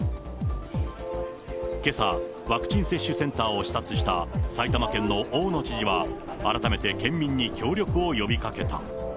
けさ、ワクチン接種センターを視察した埼玉県の大野知事は、改めて県民に協力を呼びかけた。